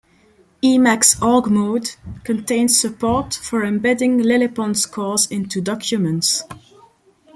Emacs' org-mode contains support for embedding LilyPond scores into documents.